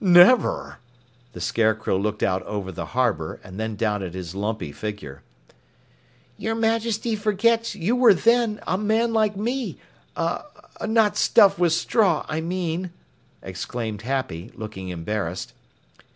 "Never!" The Scarecrow looked out over the harbor and then down at his lumpy figure. "Your Majesty forgets you were then a man like me er not stuffed with straw, I mean," exclaimed Happy, looking embarrassed.